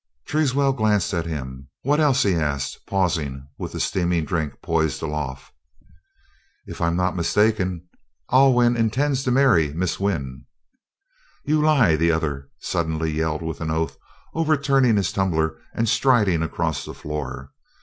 Teerswell glanced at him. "What else?" he asked, pausing with the steaming drink poised aloft. "If I'm not mistaken, Alwyn intends to marry Miss Wynn." "You lie!" the other suddenly yelled with an oath, overturning his tumbler and striding across the floor.